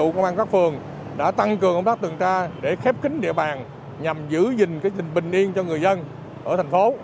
công an tp hcm đã tăng cường công tác tường tra để khép kính địa bàn nhằm giữ gìn bình yên cho người dân ở thành phố